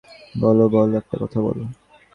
বলো, বলো?